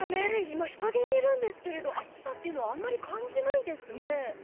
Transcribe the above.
今、日陰にいるんですが暑さというのはあまり感じないですね。